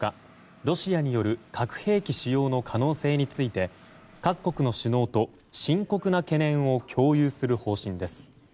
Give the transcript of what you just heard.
ロシアによる核兵器使用の可能性について各国の首脳と深刻な懸念を共有する方針です。